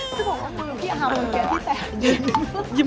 พอมาแล้ว